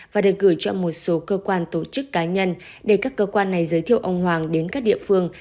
và được gửi cho một số cơ quan tổ chức cá nhân để các cơ quan này giới thiệu ông hoàng đến các địa phương